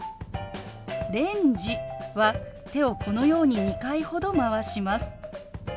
「レンジ」は手をこのように２回ほどまわします。